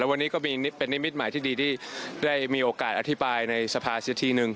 แล้ววันนี้ก็เป็นนิมิตรใหม่ที่ดีที่ได้มีโอกาสอธิบายในสภาษณ์เยอะทีนึง